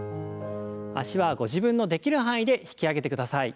脚はご自分のできる範囲で引き上げてください。